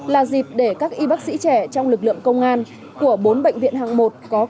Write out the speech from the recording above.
là dịp để các y bác sĩ trẻ trong lực lượng công an của bốn bệnh viện hàng một